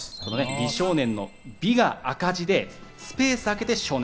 美少年の「美」が赤字でスペースをあけて「少年」。